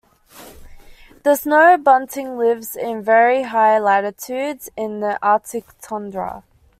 The snow bunting lives in very high latitudes in the Arctic tundra.